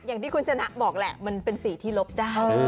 อย่างที่คุณชนะบอกแหละมันเป็นสีที่ลบได้